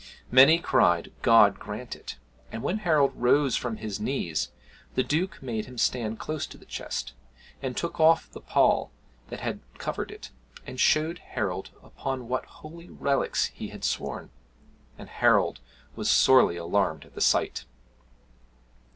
Many cried, "God grant it!" and when Harold rose from his knees, the Duke made him stand close to the chest, and took off the pall that had covered it, and showed Harold upon what holy relics he had sworn; and Harold was sorely alarmed at the sight.